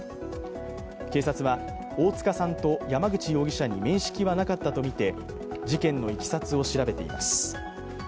警察は、大塚さんと山口容疑者に面識はなかったとみて、事件のいきさつを調べています。